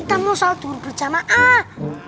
kita mau sholat buru buru jamaah